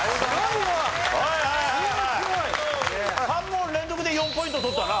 ３問連続で４ポイント取ったな。